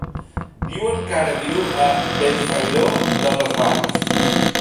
Diuen que ara viu a Benifairó de les Valls.